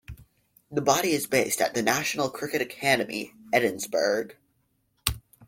The body is based at the National Cricket Academy, Edinburgh.